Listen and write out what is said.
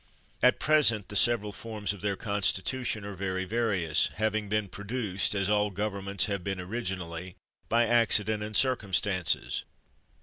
At present the several forms of their consti tution are very various, having been produced, as all governments have been originally, by ac cident and circumstances.